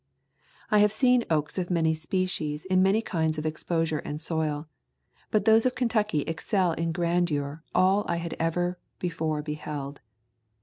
I have seen oaks of many species in many kinds of exposure and soil, but those of Kentucky excel in grandeur all I had ever before beheld.